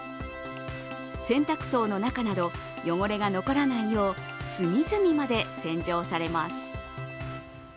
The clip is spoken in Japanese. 洗濯槽の中など、汚れが残らないように隅々まで洗浄されます。